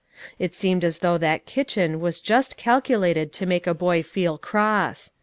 It seemed as though that kitchen was just calculated to make a boy feel cross.